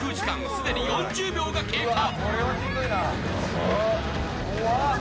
既に４０秒が経過。